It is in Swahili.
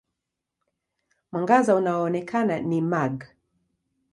Mwangaza unaoonekana ni mag.